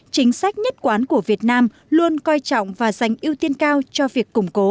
chính sách nhất quán của việt nam luôn coi trọng và dành ưu tiên cao cho việc củng cố